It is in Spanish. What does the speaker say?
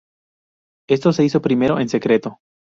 Esto se hizo primero en secreto.